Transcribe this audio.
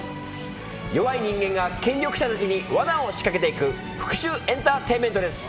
弱い人間が権力者たちに罠を仕掛けていく復讐エンターテインメントです。